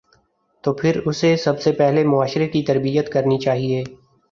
تو پھر اسے سب سے پہلے معاشرے کی تربیت کرنی چاہیے۔